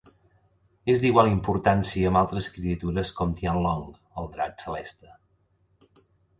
És d'igual importància amb altres criatures com Tianlong, el drac celeste.